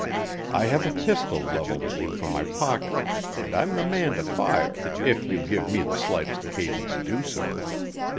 I have a pistol leveled at you from my pocket, and I'm the man to fire if you give me the slightest occasion to do so.